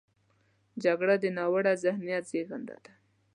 جګړه د ناوړه ذهنیت زیږنده ده